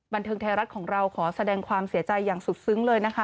บันเทิงไทยรัฐของเราขอแสดงความเสียใจอย่างสุดซึ้งเลยนะคะ